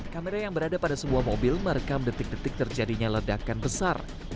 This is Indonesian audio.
kamera yang berada pada sebuah mobil merekam detik detik terjadinya ledakan besar